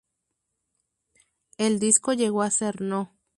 El disco llegó a ser No.